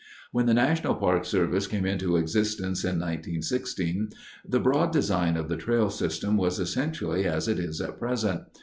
When the National Park Service came into existence in 1916, the broad design of the trail system was essentially as it is at present.